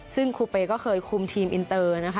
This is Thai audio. ซึ่งคูเปย์ก็เคยคุมทีมอินเตอร์นะคะ